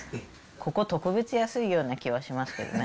ここ、特別安いような気がしますけどね。